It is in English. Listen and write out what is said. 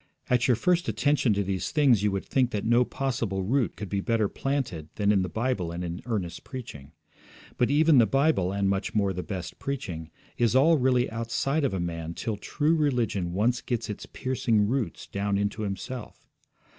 At your first attention to these things you would think that no possible root could be better planted than in the Bible and in earnest preaching. But even the Bible, and, much more, the best preaching, is all really outside of a man till true religion once gets its piercing roots down into himself.